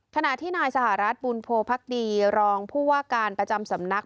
ขณะที่นายสหรัฐบุญโพภักดีรองผู้ว่าการประจำสำนัก